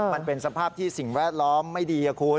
มันเป็นสภาพที่สิ่งแวดล้อมไม่ดีคุณ